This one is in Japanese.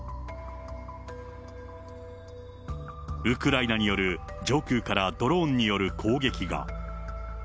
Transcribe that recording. ウクライナによる上空からドローンによる攻撃が。